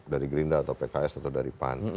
dari gerindra atau pks atau dari pan